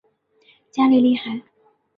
加利利海。